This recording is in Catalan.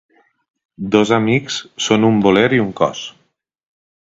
Dos amics són un voler i un cos.